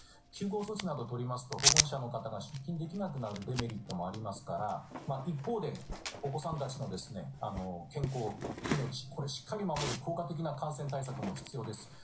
休校措置などを取りますと保護者の方が出勤できなくなるデメリットもありますから一方でお子さんたちの健康、命これをしっかり守る効果的な感染対策も必要です。